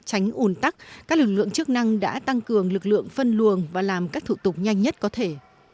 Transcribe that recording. tránh ủn tắc các lực lượng chức năng đã tăng cường lực lượng phân luồng và làm các thủ tục nhanh nhất có thể